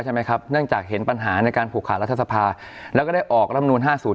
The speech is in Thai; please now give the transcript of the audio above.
ครับเนื่องจากเห็นปัญหาในการผูกขาดรัฐสภาแล้วก็ได้ออกรำนูล๕๐